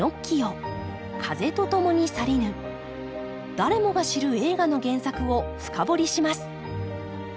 誰もが知る映画の原作を深掘りします。